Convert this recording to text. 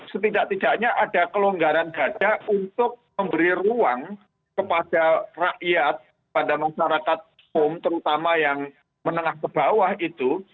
setidak tidaknya ada kelonggaran dada untuk memberi ruang kepada rakyat pada masyarakat homo terutama yang menengah kebawah itu